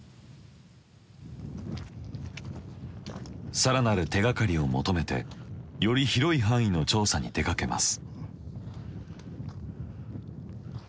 更なる手がかりを求めてより広い範囲の調査に出かけます。